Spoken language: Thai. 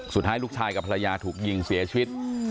สุดท้ายลูกชายกับภรรยาถูกยิงเสียชีวิต